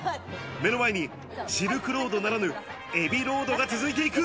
目の前にシルクロードならぬエビロードが続いていく。